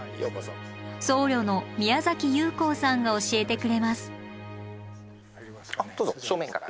僧侶の宮崎有弘さんが教えてくれます。